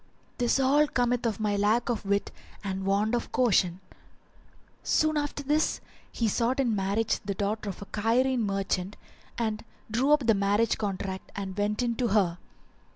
This all cometh of my lack of wit and want of caution." Soon after this he sought in marriage the daughter of a Cairene merchant, [FN#382] and drew up the marriage contract and went in to her.